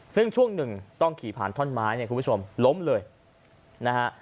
ซึ่งช่วงหนึ่งต้องขี่ผ่านท่อนไม้เนี่ยคุณผู้ชมล้มเลยนะฮะ